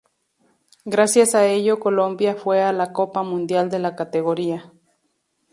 Gracias a ello, Colombia fue a la Copa Mundial de la categoría.